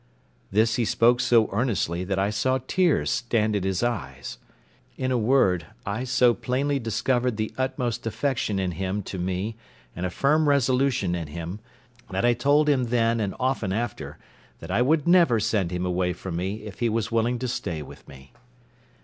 This he spoke so earnestly that I saw tears stand in his eyes. In a word, I so plainly discovered the utmost affection in him to me, and a firm resolution in him, that I told him then and often after, that I would never send him away from me if he was willing to stay with me.